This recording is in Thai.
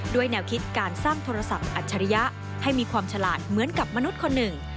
แนวคิดการสร้างโทรศัพท์อัจฉริยะให้มีความฉลาดเหมือนกับมนุษย์คนหนึ่ง